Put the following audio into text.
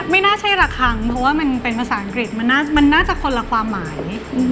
ไม่น่าใช่ละครั้งเพราะว่ามันเป็นภาษาอังกฤษมันน่าจะคนละความหมาย